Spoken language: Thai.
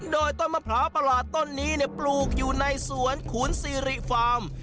โดยต้นมะพร้าวประหลาดต้นนี้ปลูกอยู่ในสวนขุนซีริฟาร์ม